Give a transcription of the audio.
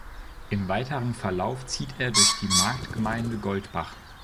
Im weiteren Verlauf zieht er durch die Marktgemeinde Goldbach.